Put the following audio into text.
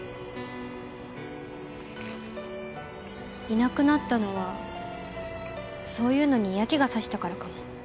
いなくなったのはそういうのに嫌気が差したからかも。